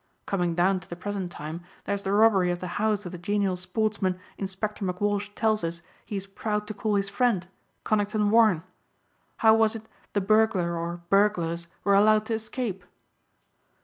Coming down to the present time, there is the robbery of the house of the genial sportsman Inspector McWalsh tells us he is proud to call his friend, Conington Warren. How was it the burglar or burglars were allowed to escape?"